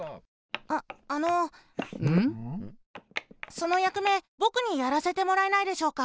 そのやくめぼくにやらせてもらえないでしょうか？